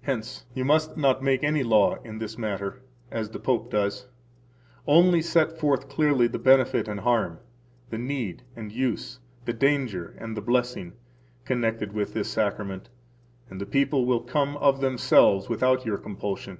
Hence, you must not make any law in this matter, as the Pope does. Only set forth clearly the benefit and harm, the need and use, the danger and the blessing, connected with this Sacrament, and the people will come of themselves without your compulsion.